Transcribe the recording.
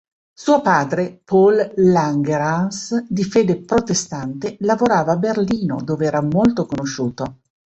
Suo padre, Paul Langerhans, di fede protestante, lavorava a Berlino dove era molto conosciuto.